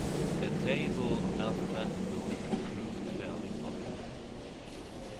"A Table Alphabeticall" proved fairly popular.